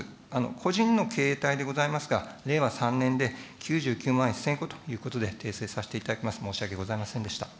個人の形態でございますが、令和３年で９９万１０００戸ということで訂正させていただきます。